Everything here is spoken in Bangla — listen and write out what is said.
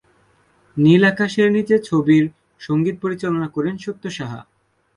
নীল আকাশের নিচে ছবির সংগীত পরিচালনা করেন সত্য সাহা।